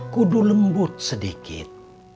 kudu lembut sedikit